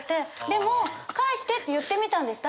でも、返してって言ってみたんです。